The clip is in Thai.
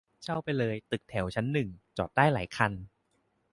เช่าไปเลยตึกแถวชั้นหนึ่ง จอดได้หลายคัน